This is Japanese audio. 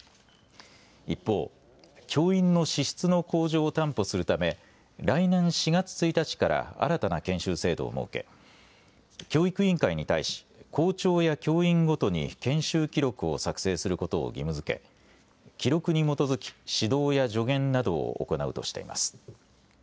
一方、教員の資質の向上を担保するため来年４月１日から新たな研修制度を設け教育委員会に対し校長や教員ごとに研修記録を作成することを義務づけ記録に基づき指導や助言などを行うとしています。